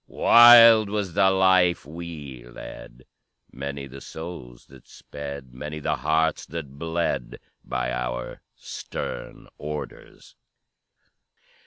Wild was the life we led; Many the souls that sped, Many the hearts that bled, By our stern orders.